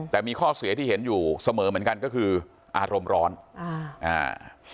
แต่มีข้อเสียที่เห็นอยู่เสมอเหมือนกันก็คืออารมณ์ร้อนอ่าอ่า